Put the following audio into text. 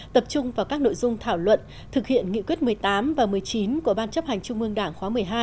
tập trung vào các nội dung thảo luận thực hiện nghị quyết một mươi tám và một mươi chín của ban chấp hành trung ương đảng khóa một mươi hai